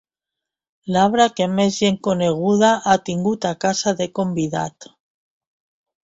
L'abre que més gent coneguda ha tingut a casa de Convidat.